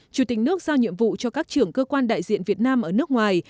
chủ tịch nước giao nhiệm vụ cho các trưởng cơ quan đại diện việt nam ở nước ngoài